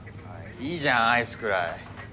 いいじゃんアイスくらい。